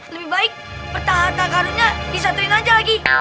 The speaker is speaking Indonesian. lebih baik harta harta karunnya disatuin aja lagi